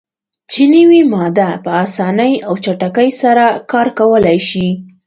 چې نوی ماده "په اسانۍ او چټکۍ سره کار کولای شي.